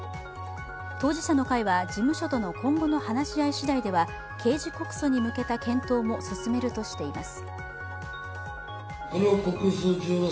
当事者の会は事務所との今後の話し合いしだいでは刑事告訴に向けた検討も進めるとしています。